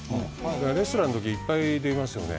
レストランの時いっぱいできますよね